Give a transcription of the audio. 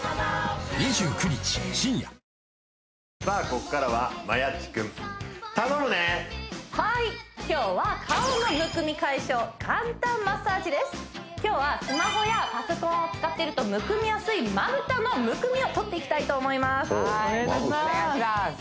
ここからはマヤっち君頼むねはい今日は今日はスマホやパソコンを使っているとむくみやすいまぶたのむくみを取っていきたいと思いますお願いいたします